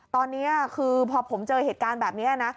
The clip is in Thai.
ตอนนี้คือพอผมเจอเหตุการณ์แบบนี้นะ